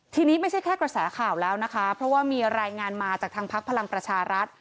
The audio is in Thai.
ทีนี้ไม่ใช่แค่กระแสข่าวแล้วนะคะเพราะว่ามีรายงานมาจากทางพักพลังประชารัฐ